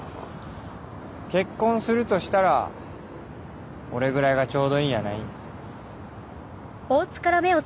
結婚するとしたら俺ぐらいがちょうどいいんやないん？